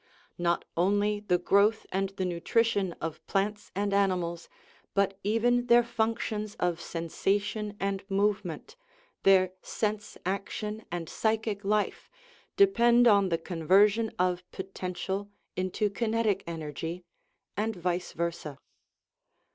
Not only the growth and the nutrition of plants and animals, but even their functions of sensation and movement, their sense action and psychic life, depend on the conversion of potential into kinetic energy, and vice versa.